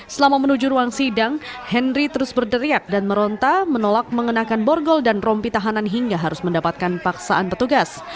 selama menuju ruang sidang henry terus berderiak dan meronta menolak mengenakan borgol dan rompi tahanan hingga harus mendapatkan paksaan petugas